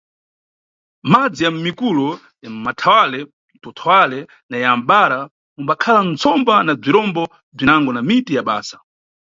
Madzi ya mʼmikulo, m, mathawale, mtumthawale na ya mbhara, mumbakhala ntsomba na bzirombo bzinango na miti ya basa.